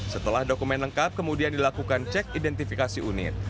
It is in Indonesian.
setelah dokumen lengkap kemudian dilakukan cek identifikasi unit